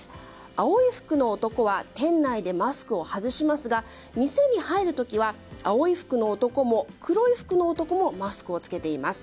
青い服の男は店内でマスクを外しますが店に入る時は青い服の男も黒い服の男もマスクを着けています。